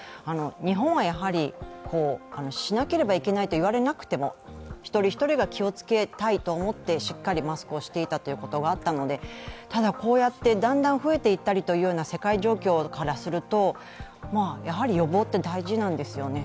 日本はやはり、しなければいけないと言われなくても一人一人が気をつけたいと思ってしっかりマスクをしていたということがあったのでただ、だんだん増えていったりという世界状況からすると、まあやはり予防って大事なんですよね。